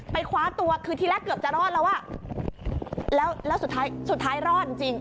ไปคว้าตัวคือที่แรกเกือบจะรอดแล้วอ่ะแล้วสุดท้ายรอดจริง